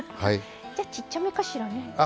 じゃちっちゃめかしらね。